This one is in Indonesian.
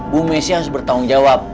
bu messi harus bertanggung jawab